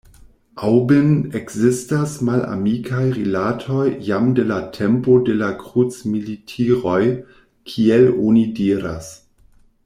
Aŭbyn ekzistas malamikaj rilatoj jam de la tempo de la krucmilitiroj, kiel oni diras.